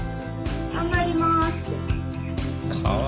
頑張ります。